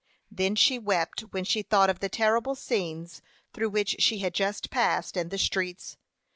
Then she wept when she thought of the terrible scenes through which she had just passed in the streets.